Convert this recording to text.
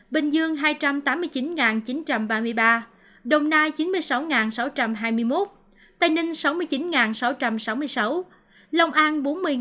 bình dương hai trăm tám mươi chín chín trăm ba mươi ba đồng nai chín mươi sáu sáu trăm hai mươi một tây ninh sáu mươi chín sáu trăm sáu mươi sáu lòng an bốn mươi một mươi năm